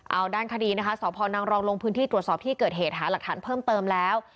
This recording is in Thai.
เอาด้านคดีนะคะสพนังรองลงพื้นที่ตรวจสอบที่เกิดเหตุหาหลักฐานเพิ่มเติมแล้ว